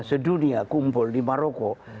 sedunia kumpul di maroko